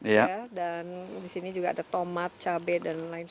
iya dan di sini juga ada tomat cabai dan lain sebagainya